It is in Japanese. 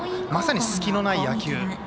まさに隙のない野球。